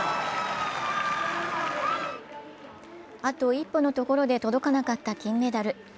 あと一歩のところで届かなかった金メダル。